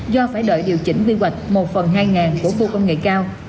do phải đợi điều chỉnh quy hoạch một phần hai của khu công nghệ cao